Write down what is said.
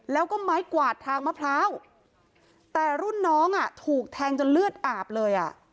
แล้วก็ไม้กวาดทางมะพร้าวแต่รุ่นน้องอ่ะถูกแทงจนเลือดอาบเลยอ่ะ